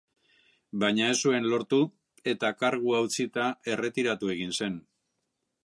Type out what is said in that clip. Baina ez zuen lortu eta kargua utzita, erretiratu egin zen.